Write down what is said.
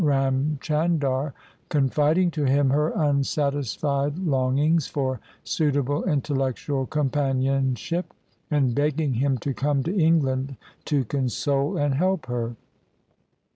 Ram Chandar, confiding to him her unsatisfied longings for suitable intellectual companionship, and begging him to come to England to console and help her.